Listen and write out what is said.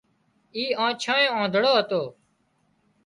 اي آنڇانئي آنڌۯو هتو